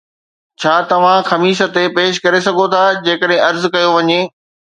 ڇا توھان خميس تي پيش ڪري سگھوٿا جيڪڏھن عرض ڪيو وڃي؟